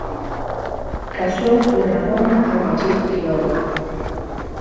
Casou con Ramona Carballido Quiroga.